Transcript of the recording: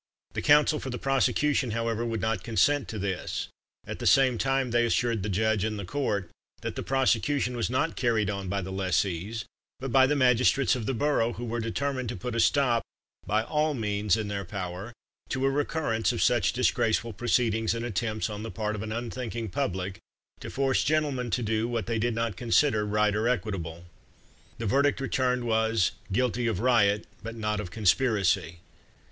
The council for the prosecution, however, would not consent to this; at the same time they assured the judge and the court, that the prosecution was not carried on by the lessees, but by the magistrates of the borough, who were determined to put a stop, by all means in their power, to a recurrence of such disgraceful proceedings, and attempts on the part of an unthinking public to force gentlemen to do what they did not consider right or equitable. The verdict returned was "guilty of riot, but not of conspiracy."